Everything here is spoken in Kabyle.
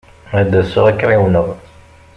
Ad d-asaɣ ad k-ɛiwneɣ.